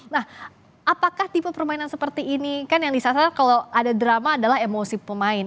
nah apakah tipe permainan seperti ini kan yang disasar kalau ada drama adalah emosi pemain